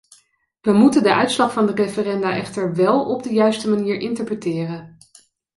Wij moeten de uitslag van de referenda echter wel op de juiste manier interpreteren.